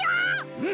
うん！